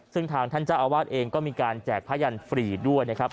ซึ่งทางท่านเจ้าอาวาสเองก็มีการแจกพระยันฟรีด้วยนะครับ